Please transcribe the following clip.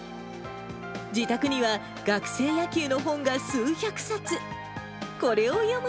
自宅には学生野球の本が数百冊。